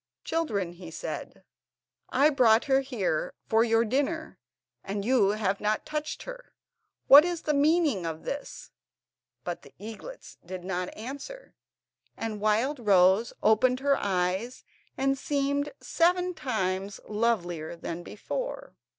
"Children," he said, "I brought her here for your dinner, and you have not touched her; what is the meaning of this?" But the eaglets did not answer, and Wildrose opened her eyes, and seemed seven times lovelier than before.